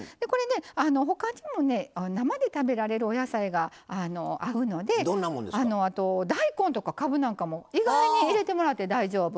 ほかにも、生で食べられるお野菜があるので大根とか、かぶなんかも意外に入れてもらって大丈夫。